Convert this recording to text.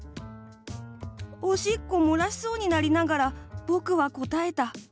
オシッコもらしそうになりながらぼくはこたえた。